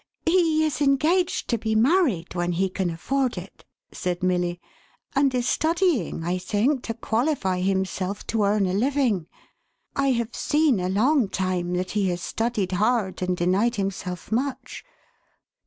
" He is engaged to be married when he can afford it," said Milly, " and is studying, I think, to qualify himself to earn a living. I have seen, a long time, that he has studied hard and denied himself much.